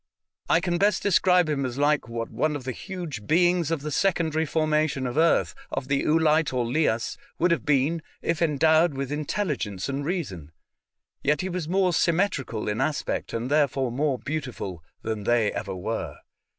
I can best describe him as like what one of the huge beings of the secondary formation of earth — of the oolite or lias — would have been if endowed with intelli gence and reason ; yet he was more symmetrical in aspect, and therefore more beautiful, than they ever were.